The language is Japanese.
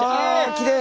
きれい！